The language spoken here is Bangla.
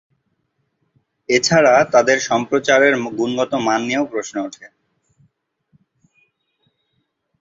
এছাড়া তাদের সম্প্রচারের গুণগত মান নিয়েও প্রশ্ন ওঠে।